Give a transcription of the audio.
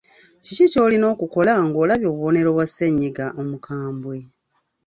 Kiki ky’olina okukola ng’olabye obubonero bwa ssennyiga omukambwe?